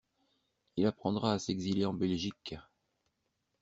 Il apprendra à s'exiler en Belgique.